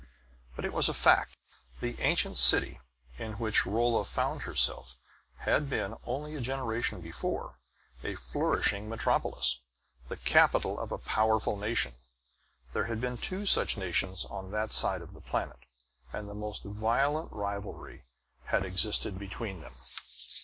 But it was a fact. The ancient city in which Rolla found herself had been, only a generation before, a flourishing metropolis, the capital of a powerful nation. There had been two such nations on that side of the planet, and the most violent rivalry had existed between them.